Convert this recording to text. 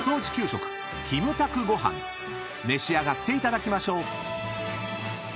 ［召し上がっていただきましょう］